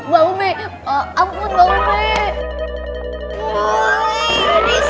bang ube ampun bang ube